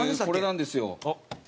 これなんですよ。